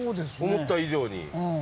思った以上に。